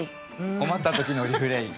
困ったときのリフレイン。